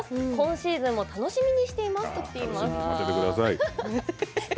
今シーズンも楽しみにしていますということです。